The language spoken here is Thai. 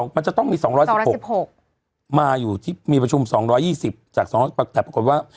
มันจะต้องมี๒๑๖๖มาอยู่ที่มีประชุม๒๒๐จาก๒๘แต่ปรากฏว่า